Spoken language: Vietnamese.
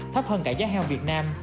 thấp hơn cả giá heo việt nam